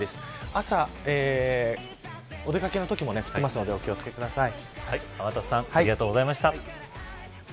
朝、お出掛けのときも降っているのでお気を付けください。